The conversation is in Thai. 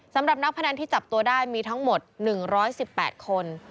สำหรับนักพนันที่จับตัวได้มีทั้งหมด๑๑๘คน